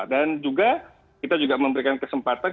dan juga kita juga memberikan kesempatan